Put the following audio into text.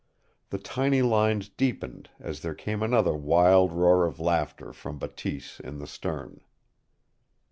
The tiny lines deepened as there came another wild roar of laughter from Bateese in the stern.